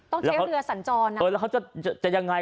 ต้องเช็คเหลือสั่นจอดนะเออแล้วก็จะจะยังไง